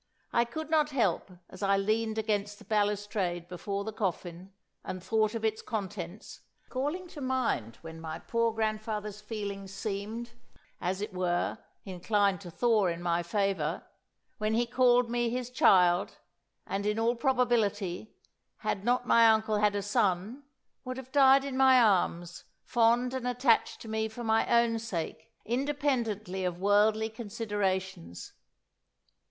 I could not help, as I leaned against the balustrade before the coffin, and thought of its contents, calling to mind when my poor grandfather's feelings seemed, as it were, inclined to thaw in my favour, when he called me "his child," and, in all probability, had not my uncle had a son, would have died in my arms, fond and attached to me for my own sake, independently of worldly considerations.